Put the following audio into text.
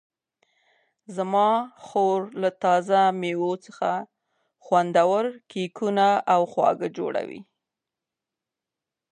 زما خور له تازه مېوو څخه خوندورې کیکونه او خواږه جوړوي.